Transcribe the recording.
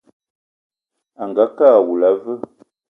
Angakë awula a veu?